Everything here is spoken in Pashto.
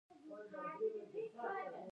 کاري پلان د منظوروونکي لاسلیک لري.